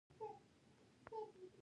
د بواسیر لپاره باید انځر څنګه وکاروم؟